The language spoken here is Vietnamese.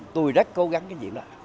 tôi rất cố gắng cái gì đó